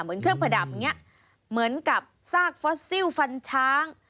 เหมือนเครื่องประดับอย่างนี้เหมือนกับซากฟอสซิลฟันช้าง